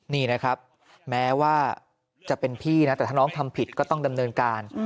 นี่นะครับแม้ว่าจะเป็นพี่นะแต่ถ้าน้องทำผิดก็ต้องดำเนินการ